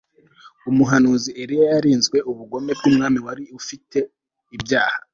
Umuhanuzi Eliya yarinzwe ubugome bwumwami wari ufite ibyaha